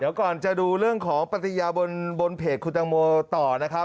เดี๋ยวก่อนจะดูเรื่องของปฏิญาบนเพจคุณตังโมต่อนะครับ